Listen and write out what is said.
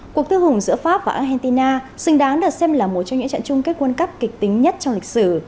cuộc tư hùng giữa pháp và argentina xứng đáng được xem là một trong những trận chung kết quân cấp kịch tính nhất trong lịch sử